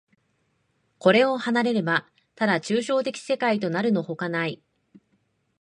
これを離れれば、ただ抽象的世界となるのほかない。